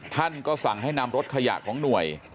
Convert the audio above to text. ท่านก็สั่งให้นำรถขยะของหน่วย